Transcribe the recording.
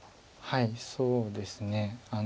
はいそうですね。